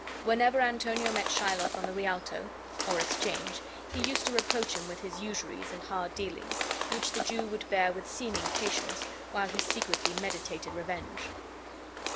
Whenever Antonio met Shylock on the Rialto, (or Exchange) he used to reproach him with his usuries and hard dealings, which the Jew would bear with seeming patience, while he secretly meditated revenge.